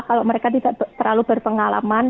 kalau mereka tidak terlalu berpengalaman